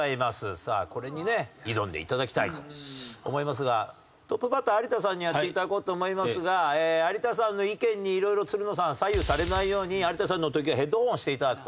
さあこれにね挑んで頂きたいと思いますがトップバッター有田さんにやって頂こうと思いますが有田さんの意見に色々つるのさん左右されないように有田さんの時はヘッドフォンをして頂くと。